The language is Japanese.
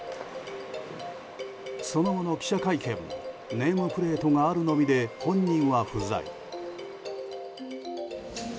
その後の記者会見もネームプレートがあるのみで本人は不在。